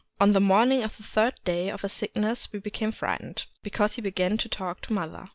On the morning of the third day of his sickness we became frightened — because he began to talk to mother.